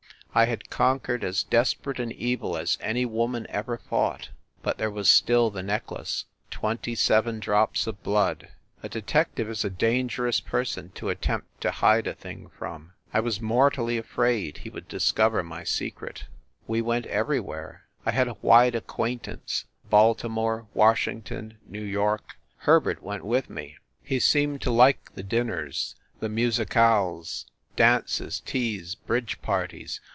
I had conquered as desperate an evil as any woman ever fought. But there was still the neck lace twenty seven drops of blood. ... A de tective is a dangerous person to attempt to hide a thing from. I was mortally afraid he would dis cover my secret. We went everywhere I had a wide acquaintance Baltimore, Washington, New York. Herbert went with me. He seemed to like the dinners, the musicales, dances, teas, bridge parties.